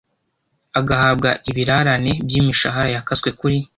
agahabwa ibirarane by imishahara yakaswe kuri